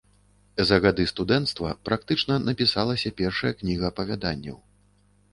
За гады студэнцтва практычна напісалася першая кніга апавяданняў.